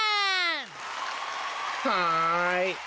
はい。